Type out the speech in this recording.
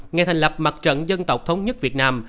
ngày thành lập mặt trận dân tộc thống nhất việt nam